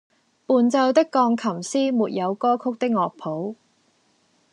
伴奏的鋼琴師沒有歌曲的樂譜